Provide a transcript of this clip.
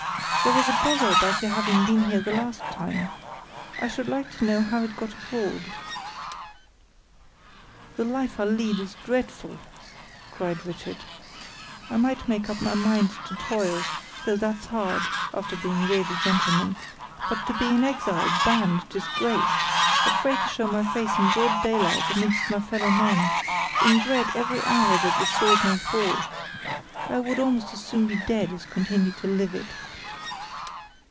There was a bother about your having been here the last time: I should like to know how it got abroad." "The life I lead is dreadful!" cried Richard. "I might make up my mind to toil, though that's hard, after being reared a gentleman; but to be an exile, banned, disgraced, afraid to show my face in broad daylight amidst my fellowmen, in dread every hour that the sword may fall! I would almost as soon be dead as continue to live it."